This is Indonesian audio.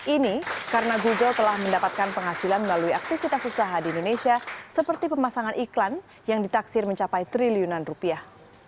ini karena google telah mendapatkan penghasilan melalui aktivitas usaha di indonesia seperti pemasangan iklan yang ditaksir mencapai triliunan rupiah